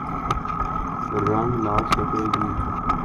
رنگ لا سکے گی۔